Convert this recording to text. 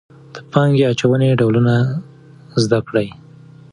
د پانګې اچونې ډولونه زده کړئ.